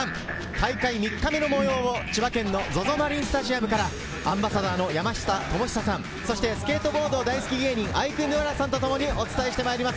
大会３日目の模様を千葉県のＺＯＺＯマリンスタジアムからアンバサダーの山下智久さん、そしてスケートボード大好き芸人・アイクぬわらさんとともにお伝えしてまいります。